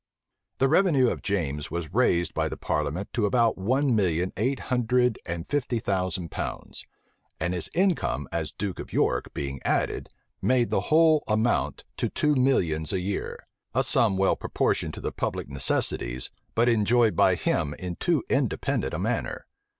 The revenue of James was raised by the parliament to about one million eight hundred and fifty thousand pounds;[] and his income as duke of York being added, made the whole amount to two millions a year; a sum well proportioned to the public necessities, but enjoyed by him in too independent a manner.